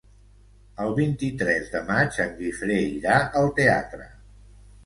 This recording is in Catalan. El vint-i-tres de maig en Guifré irà al teatre.